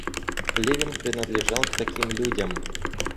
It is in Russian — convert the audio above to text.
Левин принадлежал к таким людям.